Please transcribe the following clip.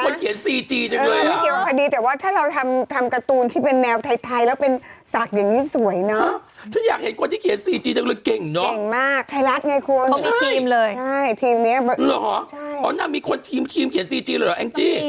ลอยกระทงก็เถอะลดนาลงไม่เพิ่มขยะ